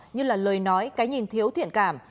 như là lời nói cái nhìn thiếu thiện cảm